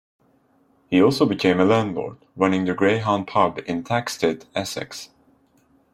He also became a landlord, running the Greyhound pub in Thaxted, Essex.